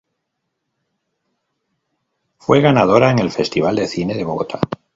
Fue ganadora en el Festival de cine de Bogotá.